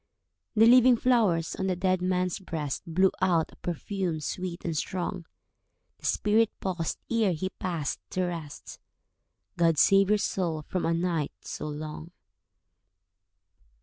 The living flowers on the dead man's breast Blew out a perfume sweet and strong. The spirit paused ere he passed to rest— "God save your soul from a night so long."